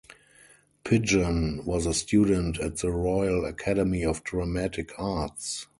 Pidgeon was a student at the Royal Academy of Dramatic Arts.